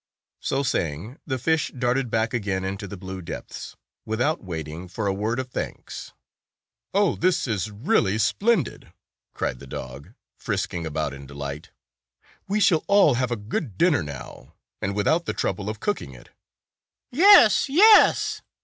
So saying, the fish darted back again into the blue depths, without waiting for a word of thanks. 181 "Oh! This is really splendid!" cried the dog, frisking about in delight. "We shall all have a good dinner now, and without the trouble of cooking it." "Yes, yes!"